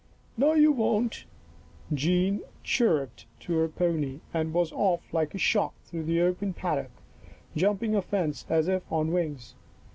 " No, you won't." Jean chirruped to her pony and was off like a shot through the open paddock, jumping a fence as if on wings.